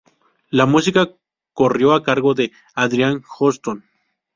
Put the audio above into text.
La música corrió a cargo de Adrian Johnston.